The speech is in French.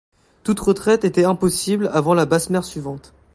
Toute retraite était impossible avant la basse mer suivante.